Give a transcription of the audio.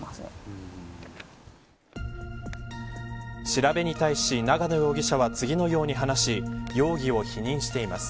調べに対し長野容疑者は次のように話し容疑を否認しています。